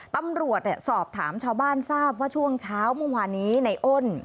ตำรวจสอบถามชาวบ้านทราบว่าช่วงเช้าเมื่อวานนี้ในอ้น